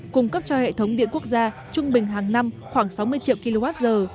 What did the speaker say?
cung cấp cho hệ thống điện quốc gia trung bình hàng năm khoảng sáu mươi triệu kwh